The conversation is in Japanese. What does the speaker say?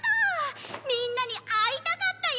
みんなにあいたかったよ！